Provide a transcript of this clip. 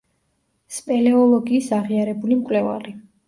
სპელეოლოგიის აღიარებული მკვლევარი.